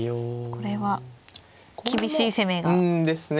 これは厳しい攻めが決まりますね。